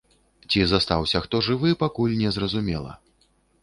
Ці застаўся хто жывы, пакуль не зразумела.